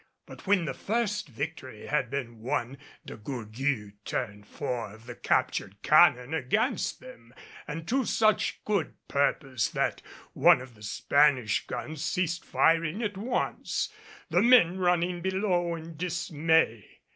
But when the first victory had been won De Gourgues turned four of the captured cannon against them; and to such good purpose that one of the Spanish guns ceased firing at once, the men running below in dismay.